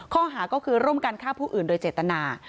ข้อหาก็คือร่วมกันฆ่าผู้อื่นโดยเจตนา